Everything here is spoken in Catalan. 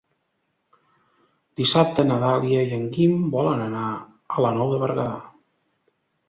Dissabte na Dàlia i en Guim volen anar a la Nou de Berguedà.